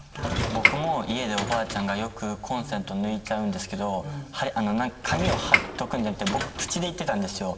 僕も家でおばあちゃんがよくコンセント抜いちゃうんですけど紙を貼っとくんじゃなくて僕口で言ってたんですよ。